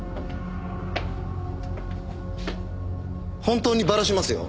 本当にバラしますよ。